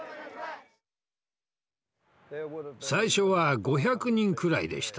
最初は５００人くらいでした。